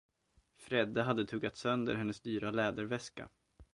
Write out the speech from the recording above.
Fredde hade tuggat sönder hennes dyra läderväska.